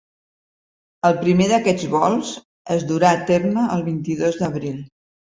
El primer d’aquests vols es durà a terme el vint-i-dos d’abril.